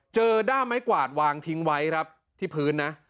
ด้ามไม้กวาดวางทิ้งไว้ครับที่พื้นนะ